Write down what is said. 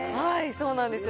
そうなんですよ。